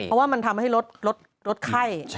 เพราะว่ามันทำให้ลดไข้